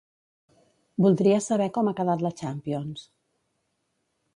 Voldria saber com ha quedat la Champions.